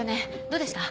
どうでした？